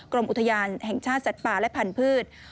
กรมอุทยานแห่งชาติสัตว์ป่าและพันธุ์